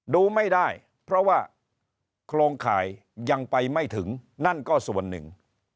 ดูไม่ได้เพราะว่าโครงข่ายยังไปไม่ถึงนั่นก็ส่วนหนึ่ง